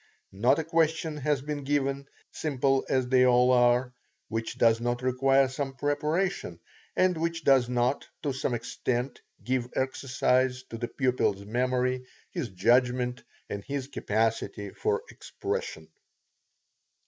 Not a question has been given, simple as they all are, which does not require some preparation, and which does not, to some extent, give exercise to the pupil's memory, his judgment, and his capacity for expression.